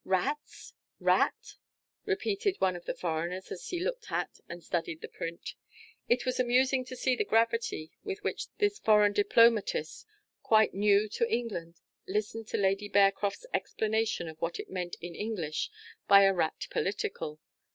"Rats! rat!" repeated one of the foreigners, as he looked at and studied the print. It was amusing to see the gravity with which this foreign diplomatist, quite new to England, listened to Lady Bearcroft's explanation of what is meant in English by a rat political.